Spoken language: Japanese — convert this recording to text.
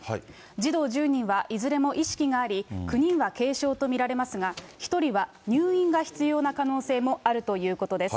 児童１０人はいずれも意識があり、９人は軽症と見られますが、１人は入院が必要な可能性もあるということです。